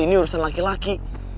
ini urusan laki laki